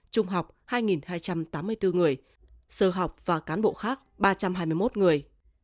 trung học hai hai trăm tám mươi bốn người sơ học và cán bộ khác ba trăm hai mươi một người